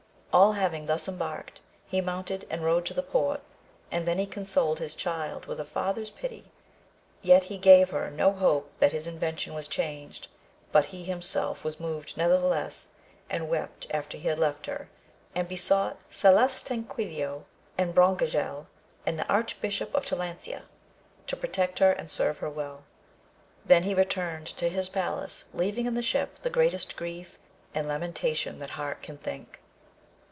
All having thus embarked he mounted and rode to the port, and the^ he consoled his child with a father's pity, yet gave he her no hope that his intention was changed, but he himself was moved nevertheless, and wept after he had left her, and be sought Salustanquidio and Brondajel and the Arch bishop of Talancia to protect her and serve her well, 62 AMADIS OF GAUL. then he returned to his palace leaving in the ship the greatest grief and lamentation that heart can think.